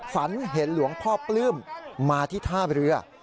ฝันเห็นหลวงพ่อปลื้มมาที่ท่าเรือ